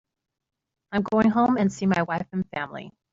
I'm going home and see my wife and family.